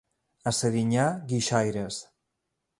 A Serinyà, guixaires.